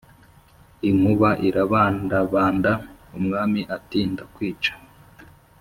inkuba irabandabanda, umwami ati ndakwica